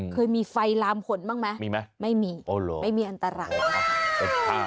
เคยมีไฟลามผลบ้างมั้ยไม่มีไม่มีอันตรัสอ๋อหรอ